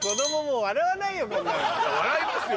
笑いますよ。